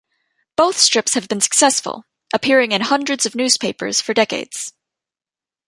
Both strips have been successful, appearing in hundreds of newspapers for decades.